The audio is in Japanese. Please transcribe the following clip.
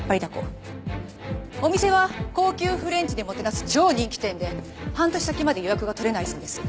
お店は高級フレンチでもてなす超人気店で半年先まで予約が取れないそうです。